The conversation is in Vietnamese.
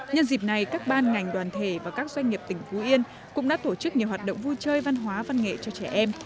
nhân dịp này các ban ngành đoàn thể và các doanh nghiệp tỉnh phú yên cũng đã tổ chức nhiều hoạt động vui chơi văn hóa văn nghệ cho trẻ em